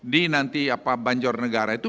di nanti banjornegara itu